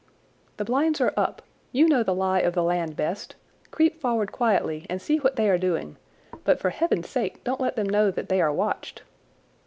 "The blinds are up. You know the lie of the land best. Creep forward quietly and see what they are doing—but for heaven's sake don't let them know that they are watched!"